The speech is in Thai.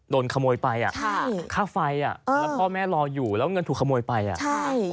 โดนขโมยไปอ่ะค่ะค่าไฟอ่ะแล้วพ่อแม่รออยู่แล้วเงินถูกขโมยไปอ่ะใช่